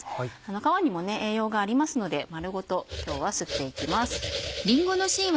皮にも栄養がありますので丸ごと今日はすっていきます。